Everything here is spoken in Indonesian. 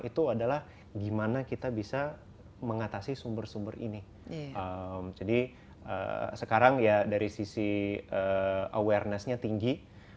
itu adalah gimana kita bisa mengatasi sumber sumber ini jadi sekarang ya dari sisi awarenessnya tinggi